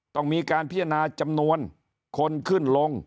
ต้องมีการพิจารณาจำนวนคนขึ้นลง